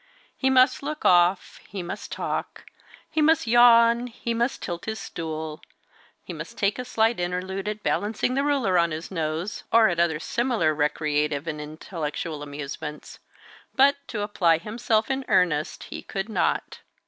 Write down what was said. He must look off; he must talk; he must yawn; he must tilt his stool; he must take a slight interlude at balancing the ruler on his nose, or at other similar recreative and intellectual amusements; but, apply himself in earnest, he could not.